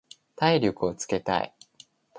体力をつけたい。